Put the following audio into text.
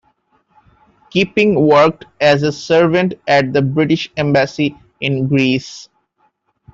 Keeping worked as a servant at the British Embassy in Greece.